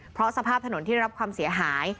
เพราะสภาพถนนที่ได้รับความเสียหาย